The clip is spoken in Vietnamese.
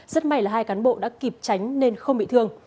rất may là hai cán bộ đã kịp tránh nên không bị thương